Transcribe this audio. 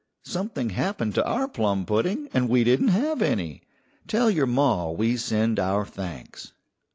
Something happened to our plum pudding, and we didn't have any. Tell your ma we send our thanks."